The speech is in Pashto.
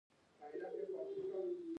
د بندري ښارونو یوه شبکه وه.